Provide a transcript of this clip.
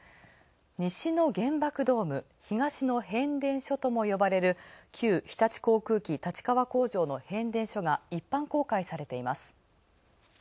西の原爆ドーム、東の変電所とも呼ばれる旧日立航空機立川所の変電所が一般公開されています。